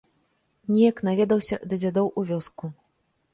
Неяк наведаўся да дзядоў у вёску.